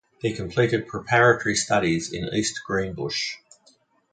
He completed preparatory studies in East Greenbush.